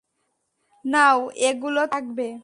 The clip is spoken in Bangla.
নাও, এগুলো তোমার লাগবে!